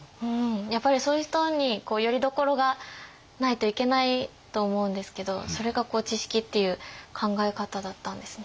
やっぱりそういう人によりどころがないといけないと思うんですけどそれが智識っていう考え方だったんですね。